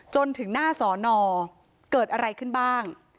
จนถึงหน้าสอนอเกิดอะไรขึ้นบ้าง